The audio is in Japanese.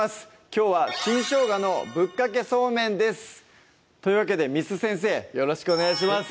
きょうは「新生姜のぶっかけそうめん」ですというわけで簾先生よろしくお願いします